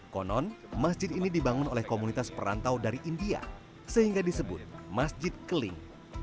konon masjid ini dibangun oleh komunitas perantau dari india sehingga disebut masjid keling